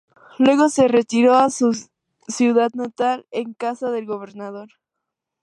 Luego se retiró a su ciudad natal en "Casa del Gobernador".